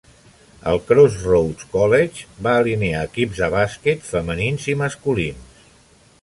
El Corssroads College va alinear equips de bàsquet femenins i masculins.